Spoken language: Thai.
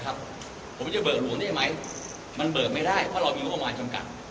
นะครับผมจะเบิกหลวงได้มั้ยมันเบิกไม่ได้เพราะเรามีวิวออนวารจำการ